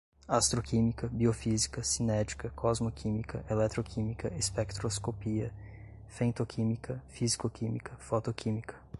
astroquímica, biofísica, cinética, cosmoquímica, eletroquímica, espectroscopia, femtoquímica, físico-química, fotoquímica